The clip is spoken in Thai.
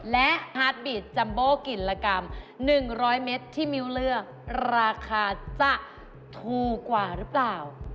และฮาร์ดบีดจัมโบกิโลกรัม๑๐๐เมตรที่มิ้วเลือกราคาจะถูกกว่าหรือเปล่า